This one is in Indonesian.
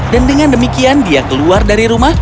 dan dengan demikian dia keluar dari rumah